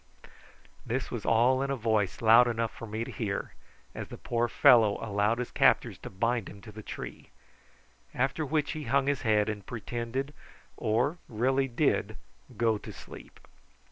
This was all in a voice loud enough for me to hear, as the poor fellow allowed his captors to bind him to the tree, after which he hung his head and pretended or really did go to sleep.